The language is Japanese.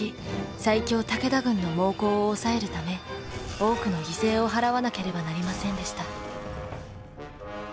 最強武田軍の猛攻を抑えるため多くの犠牲を払わなければなりませんでした。